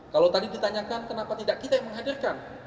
kalau tadi ditanyakan kenapa tidak kita yang menghadirkan